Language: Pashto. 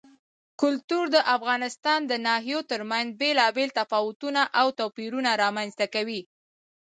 کلتور د افغانستان د ناحیو ترمنځ بېلابېل تفاوتونه او توپیرونه رامنځ ته کوي.